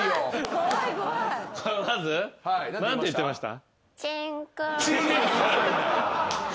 まず何て言ってました？